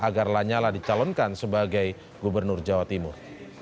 agar lanyala dicalonkan sebagai gubernur jawa timur